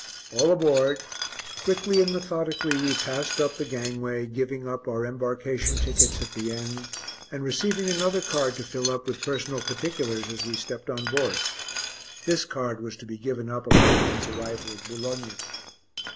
All aboard: quickly and methodically we passed up the gangway, giving up our embarkation tickets at the end and receiving another card to fill up, with personal particulars, as we stepped on board. This card was to be given up upon one's arrival at Boulogne.